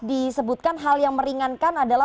disebutkan hal yang meringankan adalah